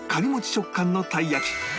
食感のたい焼き